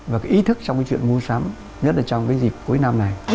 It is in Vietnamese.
và cái ý thức trong cái chuyện mua sắm nhất là trong cái dịp cuối năm này